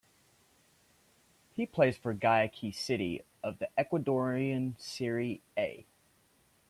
He plays for Guayaquil City of the Ecuadorian Serie A.